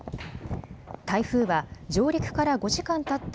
台風は上陸から５時間たった